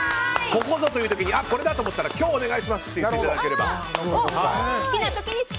ここぞというときにこれだと思ったら今日お願いしますと言っていただければ。